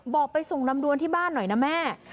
บอกไปส่งลำดวนที่บ้านหน่อยนะแม่